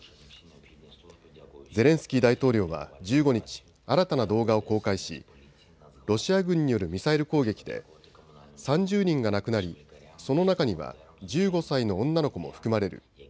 ゼレンスキー大統領は１５日、新たな動画を公開しロシア軍によるミサイル攻撃で３０人が亡くなり、その中には１５歳の女の子も含まれる。